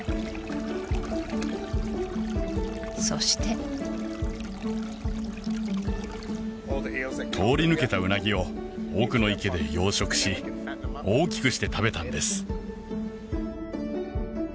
そして通り抜けたウナギを奥の池で養殖し大きくして食べたんです